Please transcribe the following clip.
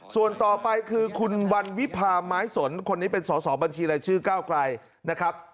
ส่วนต่อไปคือคุณวันวิพาไม้สนคนนี้เป็นสอสอบัญชีรายชื่อก้าวไกลนะครับ